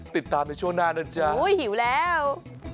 ติดตามในช่วงหน้านั้นจ้ะโอ๊ยหิวแล้ว